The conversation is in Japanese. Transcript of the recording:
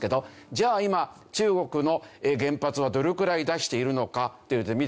じゃあ今中国の原発はどれぐらい出しているのかというと見てください。